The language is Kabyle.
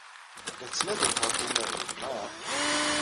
La tettnadimt ɣef umahil, naɣ?